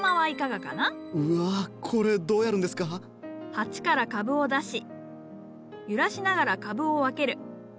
鉢から株を出し揺らしながら株を分ける。